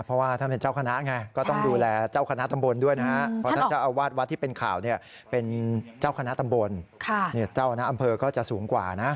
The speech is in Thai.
เพราะว่าท่านเป็นเจ้าคณะไงก็ต้องดูแลเจ้าคณะตำบลด้วยนะครับเพราะว่าที่เป็นข่าวเนี่ยเป็นเจ้าคณะตำบลเนี่ยเจ้าอำเภอก็จะสูงกว่านะ